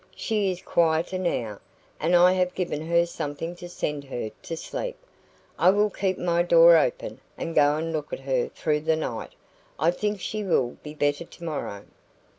"She is quieter now, and I have given her something to send her to sleep. I will keep my door open, and go and look at her through the night. I think she will be better tomorrow."